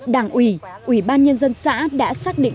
đảng ủy ủy ban nhân dân xã đã xác định